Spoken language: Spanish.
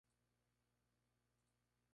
Fue relevado del mando a partir de entonces.